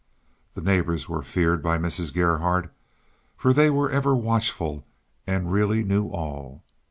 The neighbors were feared by Mrs. Gerhardt, for they were ever watchful and really knew all.